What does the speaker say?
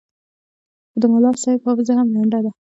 خو د ملاصاحب حافظه هم ړنده ده.